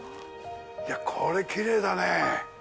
いやぁ、これ、きれいだねぇ。